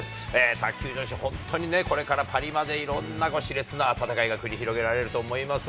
卓球女子、本当にね、これからパリまでいろんなしれつな戦いが繰り広げられると思います。